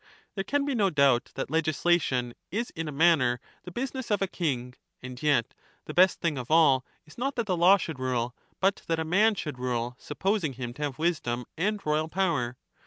There can be no doubt that legislation is in a manner the business of a king, and yet the best thing of all is not that the law should rule, but that a man should rule sup posing him to have wisdom and royal power.